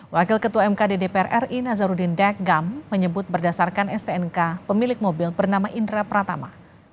wakil ketua mkd dpr ri nazarudin deckgam menyebut berdasarkan stnk pemilik mobil bernama indra pratama